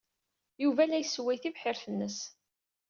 Yuba la yessway tibḥirt-nnes.